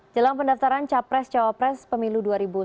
jelang pendaftaran capres cawapres pemilu dua ribu sembilan belas